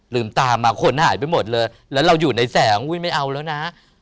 ลืมตามาคนหายไปหมดเลยแล้วเราอยู่ในแสงอุ้ยไม่เอาแล้วนะ